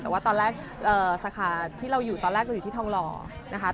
แต่ว่าตอนแรกสาขาที่เราอยู่ตอนแรกเราอยู่ที่ทองหล่อนะคะ